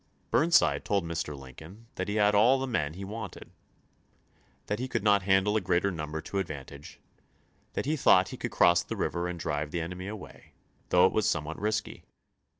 Burnside told Mr. Lincoln that he had all the men he wanted ; that he could not handle a greater number to ad vantage ; that he thought he could cross the river and drive the enemy away, though it was somewhat risky.